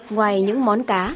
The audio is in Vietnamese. ngoài những món cá